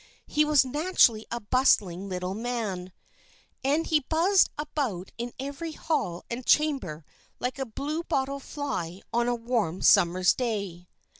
He was naturally a bustling little man, and he buzzed about in every hall and chamber like a blue bottle fly on a warm summer's day.